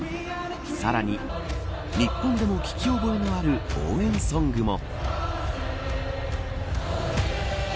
さらに、日本でも聞き覚えのある応援ソングも。